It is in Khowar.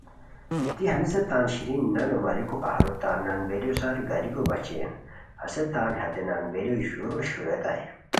دی ہنیسے تان شیرین نانو ماریکو قہرو تان نان بیلیو سار گانیکو بچین ہسے تان ہتے نان بیلیو ژورو شورئیتائے